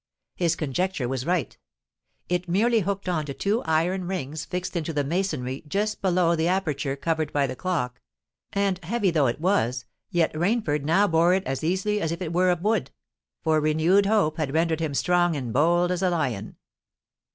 His conjecture was right: it merely hooked on to two iron rings fixed into the masonry just below the aperture covered by the clock; and, heavy though it was, yet Rainford now bore it as easily as if it were of wood—for renewed hope had rendered him strong and bold as a lion.